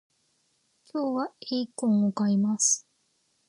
今日はエイコンを買います